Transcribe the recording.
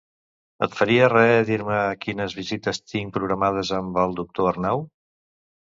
Et faries res dir-me quines visites tinc programades amb el doctor Arnau?